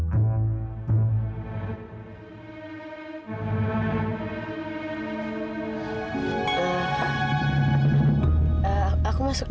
aku masuk dulu ya ke dalam